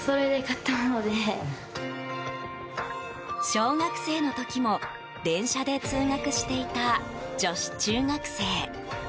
小学生の時も電車で通学していた女子中学生。